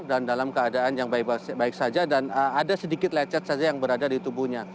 dan dalam keadaan yang baik saja dan ada sedikit lecet saja yang berada di tubuhnya